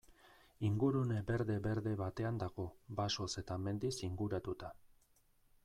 Ingurune berde-berde batean dago, basoz eta mendiz inguratuta.